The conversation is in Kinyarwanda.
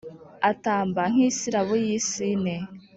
atamba nk’isirabo y’isine